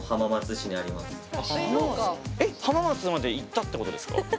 えっ浜松まで行ったってことですか？